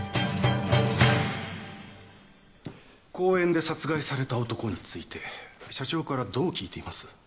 公園で殺害された男について社長からどう聞いています？